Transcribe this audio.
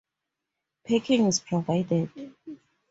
Parking is provided.